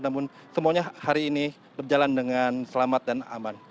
namun semuanya hari ini berjalan dengan selamat dan aman